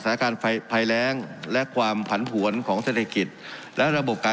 การไฟภัยแรงและความผันผวนของเศรษฐกิจและระบบการ